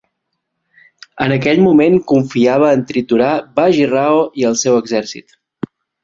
En aquell moment confiava en triturar Baji Rao i el seu exèrcit.